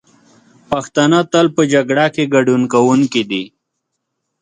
پښتانه تل په جګړه کې ګټونکي دي.